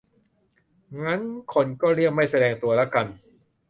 งั้นคนก็เลี่ยงไม่แสดงตัวละกัน